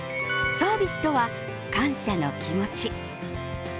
サービスとは感謝の気持ち。